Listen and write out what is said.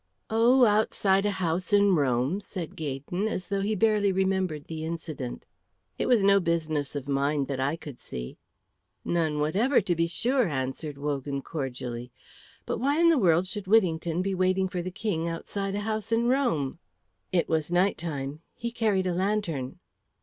"Oh, outside a house in Rome," said Gaydon, as though he barely remembered the incident. "It was no business of mine, that I could see." "None whatever, to be sure," answered Wogan, cordially. "But why in the world should Whittington be waiting for the King outside a house in Rome?" "It was night time. He carried a lantern."